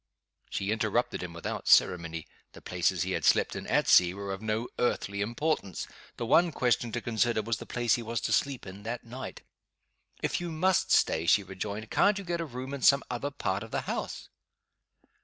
She interrupted him, without ceremony. The places he had slept in, at sea, were of no earthly importance. The one question to consider, was the place he was to sleep in that night. "If you must stay," she rejoined, "can't you get a room in some other part of the house?"